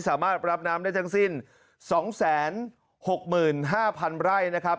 สามารถรับน้ำได้ทั้งสิ้น๒๖๕๐๐๐ไร่นะครับ